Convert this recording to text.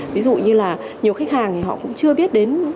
ví dụ như là nhiều khách hàng thì họ cũng chưa biết đến